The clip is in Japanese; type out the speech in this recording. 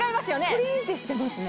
ぷりんってしてますね。